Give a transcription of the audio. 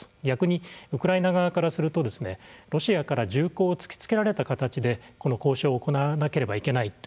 逆にウクライナ側からするとロシアから銃口を突きつけられた形で交渉を行わなければいけない